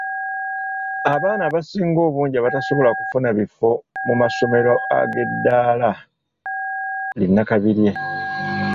Abaana abasinga obungi abatasobola kufuna bifo mu masomero ag’eddaala li Nnakabirye